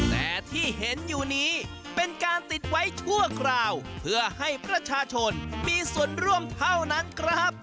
แต่ที่เห็นอยู่นี้เป็นการติดไว้ชั่วคราวเพื่อให้ประชาชนมีส่วนร่วมเท่านั้นครับ